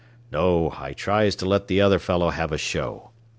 No, I tries to let the other fellow have a show.